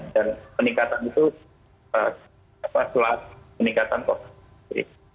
dan peningkatan itu setelah peningkatan covid sembilan belas